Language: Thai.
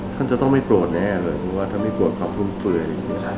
ท่านจะต้องไม่โปรดแน่เลยถ้าไม่โปรดความภูมิเฟื่อย